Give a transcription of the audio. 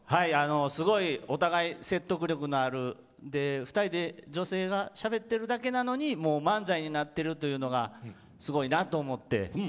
すごいお互い説得力のある２人で女性がしゃべってるだけなのにもう漫才になってるというのがすごいなと思って。